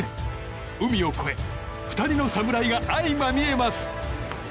海を越え２人の侍が相まみえます。